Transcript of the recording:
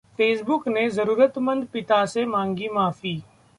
Facebook ने जरूरतमंद पिता से मांगी माफी